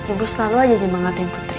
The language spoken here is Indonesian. ibu selalu aja nyemangati putri